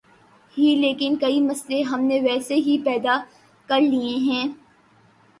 ہی لیکن کئی مسئلے ہم نے ویسے ہی پیدا کر لئے ہیں۔